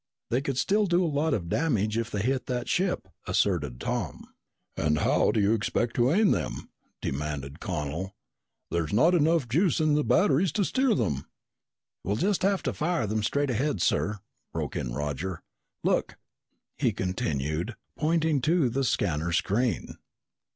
"They could still do a lot of damage if they hit that ship," asserted Tom. "And how do you expect to aim them?" demanded Connel. "There's not enough juice in the batteries to steer them!" "We'll just fire them straight ahead, sir," broke in Roger. "Look!" he continued, pointing to the scanner screen.